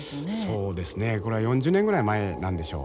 そうですねこれは４０年ぐらい前なんでしょう。